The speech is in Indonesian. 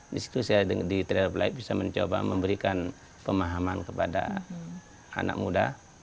di situ saya di trail of life bisa mencoba memberikan pemahaman kepada anak muda